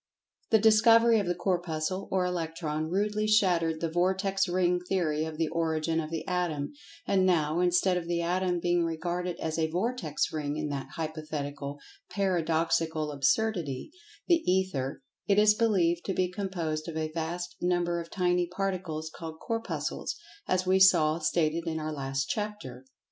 The discovery of the Corpuscle, or Electron, rudely shattered the vortex ring theory of the origin of the Atom, and now, instead of the Atom being regarded as a "vortex ring" in that hypothetical, paradoxical absurdity, the Ether, it is believed to be composed of a vast number of tiny particles called Corpuscles, as we saw stated in our last chapter.